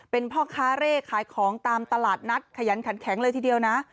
เป็นพ่อค้าเร่ขายของตามตลาดนัดขยันขันแข็งเลยทีเดียวนะ